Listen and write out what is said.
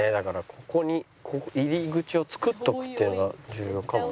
ここに入り口を作っておくっていうのが重要かもな。